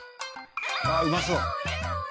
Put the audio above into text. ああうまそう。